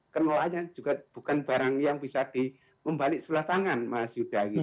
kenolaannya juga bukan barang yang bisa di membalik sebelah tangan mas yuda gitu